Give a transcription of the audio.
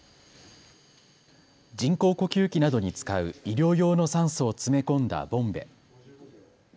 人工呼吸器などに使う医療用の酸素を詰め込んだボンベ。